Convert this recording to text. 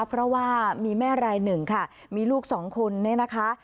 เพราะว่ามีแม่รายหนึ่งค่ะมีลูกสองคนเนี่ยนะคะ